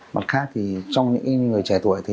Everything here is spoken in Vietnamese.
mặt khác thì trong những người trẻ tuổi